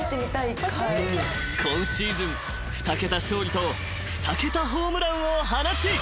［今シーズン二桁勝利と二桁ホームランを放ち］